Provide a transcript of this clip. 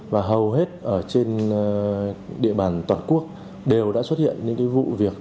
và hầu hết ở trên địa bàn toàn quốc đều đã xuất hiện những vụ việc